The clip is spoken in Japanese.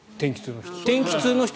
天気痛の人。